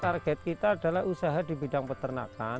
target kita adalah usaha di bidang peternakan